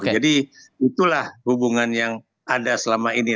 jadi itulah hubungan yang ada selama ini